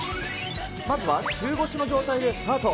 まずは中腰の状態でスタート。